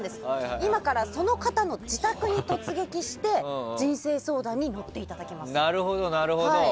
今からその方の自宅に突撃して人生相談に乗っていただきます。